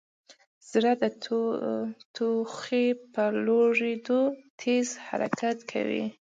ذرې د تودوخې په لوړېدو تېز حرکت کوي.